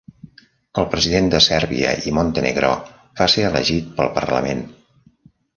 El president de Sèrbia i Montenegro va ser elegit pel parlament.